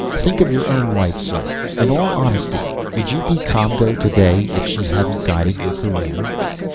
"Think of your own wife, sir. In all honesty, would you be ComGO today if she hadn't guided your career?"